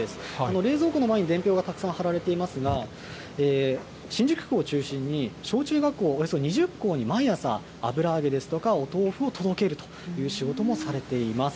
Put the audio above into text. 冷蔵庫の前に伝票がたくさん貼られていますが、新宿区を中心に小中学校、およそ２０校に毎朝、油揚げですとか、お豆腐を届けるという仕事もされています。